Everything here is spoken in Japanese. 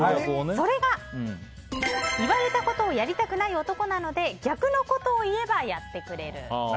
それが言われたことをやりたくない男なので逆のことを言えばやってくれる。